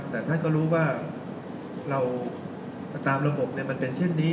แต่ท่านก็รู้ว่าเราตามระบบมันเป็นเช่นนี้